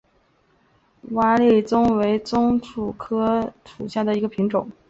瓦理棕为棕榈科瓦理棕属下的一个种。